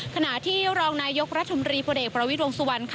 ขณะที่รองนายยกรัฐมนตรีผู้เด็กประวิดวงสุวรรณ